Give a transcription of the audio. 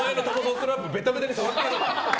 ストラップベタベタに触ってやろうか。